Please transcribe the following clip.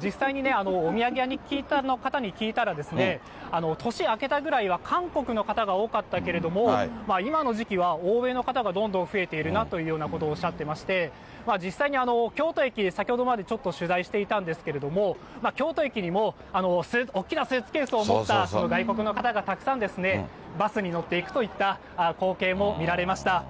実際にね、お土産屋さんの方に聞いたら、年明けたぐらいは韓国の方が多かったけれども、今の時期は欧米の方がどんどん増えているなというようなことをおっしゃっていまして、実際に京都駅、先ほどまで取材していたんですけれども、京都駅にも大きなスーツケースを持った外国の方がたくさんですね、バスに乗っていくといった光景も見られました。